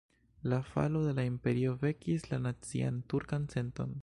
La falo de la imperio vekis la nacian turkan senton.